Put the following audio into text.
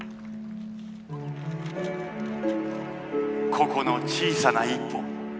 個々の小さな一歩。